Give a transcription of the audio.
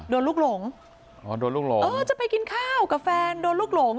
โดนลูกหลงอ๋อโดนลูกหลงเออจะไปกินข้าวกับแฟนโดนลูกหลง